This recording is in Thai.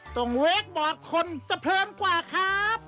เวคบอร์ดคนจะเพลินกว่าครับ